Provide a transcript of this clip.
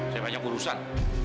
saya banyak urusan